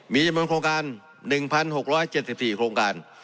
มีจำนวนโครงการ๑๖๗๔โครงการ